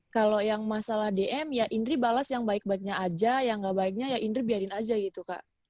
kalau yang masalah dm ya indri balas yang baik baiknya aja yang gak baiknya ya indri biarin aja gitu kak